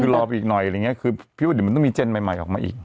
คือรอไปอีกหน่อยหรือยังไงคือพิวดิมันต้องมีเจนใหม่ออกมาอีก